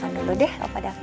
tepen dulu deh pak da vin